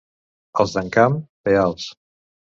Els d'Encamp, peals.